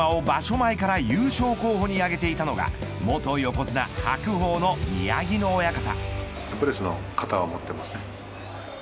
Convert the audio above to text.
前から優勝候補に挙げていたのが元横綱白鵬の宮城野親方。